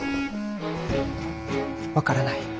分からない。